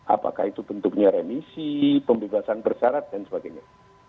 apakah itu bentuknya remisi pembebasan bersyarat dan sebagainya